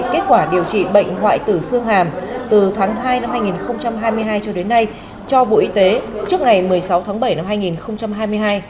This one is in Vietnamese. kết quả điều trị bệnh hoại tử xương hàm từ tháng hai năm hai nghìn hai mươi hai cho đến nay cho bộ y tế trước ngày một mươi sáu tháng bảy năm hai nghìn hai mươi hai